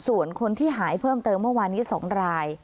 ส่วนคนที่หายเพิ่มเติมเมื่อวานนี้๒ราย